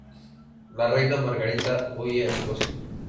La reina Margarita huye a Escocia.